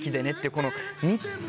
この３つ。